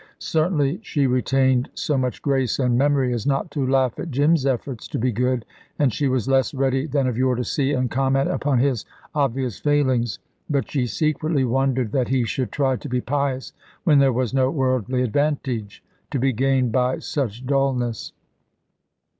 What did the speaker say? Certainly she retained so much grace and memory as not to laugh at Jim's efforts to be good, and she was less ready than of yore to see and comment upon his obvious failings. But she secretly wondered that he should try to be pious, when there was no worldly advantage to be gained by such dullness.